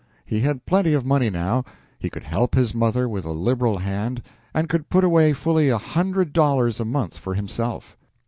He had plenty of money now. He could help his mother with a liberal hand, and could put away fully a hundred dollars a month for himself.